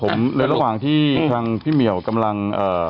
โอเคนี่ผมระหว่างที่ทางพี่เหมียวกำลัง